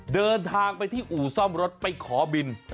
เดินทางไปที่อู่ซ่อมรถไปขอบิน